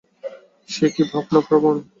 সে কি ভাবনাপ্রবণ?